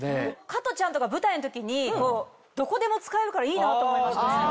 加トちゃんとか舞台の時にどこでも使えるからいいなと思いましたね。